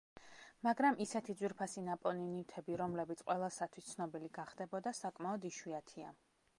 მაგრამ ისეთი ძვირფასი ნაპოვნი ნივთები, რომლებიც ყველასათვის ცნობილი გახდებოდა, საკმაოდ იშვიათია.